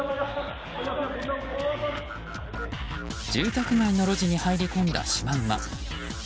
住宅街の路地に入り込んだシマウマ。